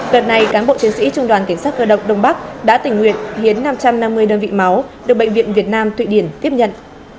đợt này cán bộ chiến sĩ trung đoàn cảnh sát cơ động đông bắc đã tình nguyện hiến năm trăm năm mươi đơn vị máu được bệnh viện việt nam thụy điển tiếp nhận